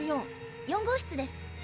４号室です。